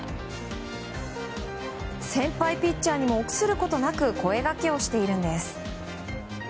先輩ピッチャーにも臆することなく声がけをしているんです。